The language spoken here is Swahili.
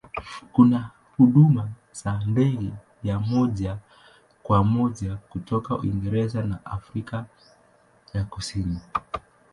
Kuna huduma za ndege ya moja kwa moja kutoka Uingereza na Afrika ya Kusini.